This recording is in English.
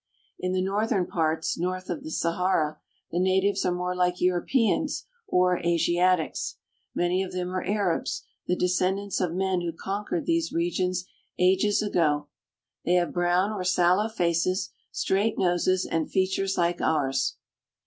In the northern parts, north of the Sahara, the natives are more like Europeans or Asiatics, Many of them are Arabs, the descendants of men who conquered these regions ages ago ; they have brown or sallow faces, straight noses, and features like ours.